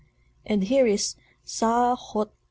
And here is "Sa VOL.